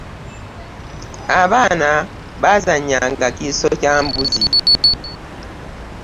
abaana bbazanya nga kuso kyambuzi